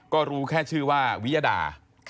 ก็รู้แค่ชื่อว่าวิยดา